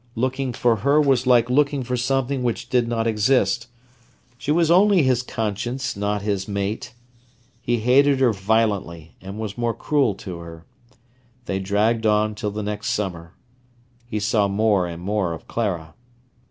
Looking for her was like looking for something which did not exist. She was only his conscience, not his mate. He hated her violently, and was more cruel to her. They dragged on till the next summer. He saw more and more of Clara.